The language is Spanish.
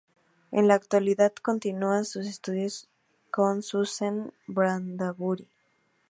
En la actualidad continúa sus estudios con Suzanne Bradbury.